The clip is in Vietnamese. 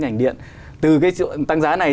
ngành điện từ cái tăng giá này